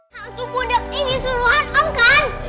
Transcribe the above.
hantu kudeng ini suruhan om kan